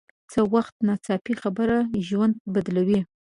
څه وخت ناڅاپي خبره ژوند بدلوي